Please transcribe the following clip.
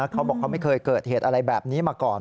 เขาบอกเขาไม่เคยเกิดเหตุอะไรแบบนี้มาก่อน